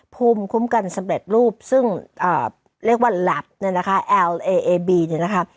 ภูมิคุ้มกันสำเร็จรูปซึ่งอ่าเรียกว่าเนี่ยนะคะเนี่ยนะคะ